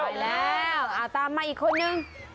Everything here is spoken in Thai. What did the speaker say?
อีกแล้วตามมาอีกคนนึง